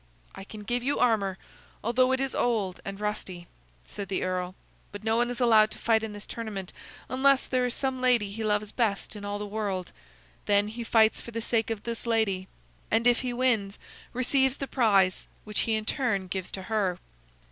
"I can give you armor, although it is old and rusty," said the earl. "But no one is allowed to fight in this tournament unless there is some lady he loves best in all the world. Then he fights for the sake of this lady, and if he wins, receives the prize, which he in turn gives to her."